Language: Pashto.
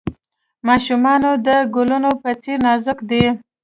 ماشومان د ګلونو په څیر نازک دي.